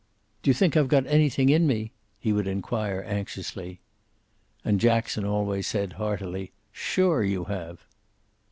"Do you think I've got anything in me?" he would inquire anxiously. And Jackson always said heartily, "Sure you have."